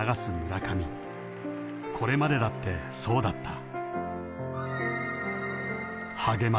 ［これまでだってそうだった］